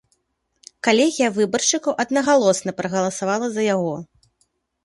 Калегія выбаршчыкаў аднагалосна прагаласавала за яго.